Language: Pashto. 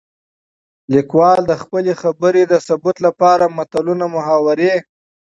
ليکوال د خپلې خبرې د ثبوت لپاره متلونه ،محاورې